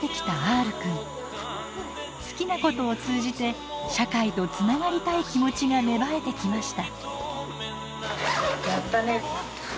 好きなことを通じて社会とつながりたい気持ちが芽生えてきました。